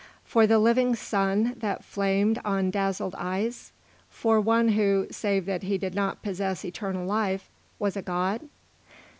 For the living Sun that flamed on dazzled eyes? For one who, save that he did not possess eternal life, was a god?